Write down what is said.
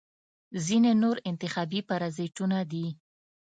ځینې نور انتخابي پرازیتونه دي.